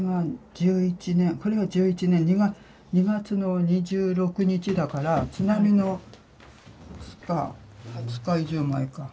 これが１１年２月の２６日だから津波の２０日以上前か。